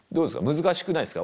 難しくないですか？